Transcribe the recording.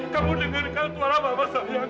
kamu dengar kan suara mama saya